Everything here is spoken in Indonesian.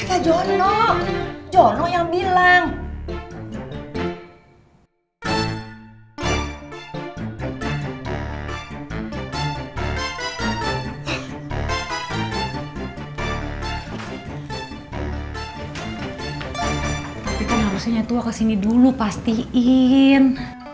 tapi kan harusnya tua kesini dulu pastiin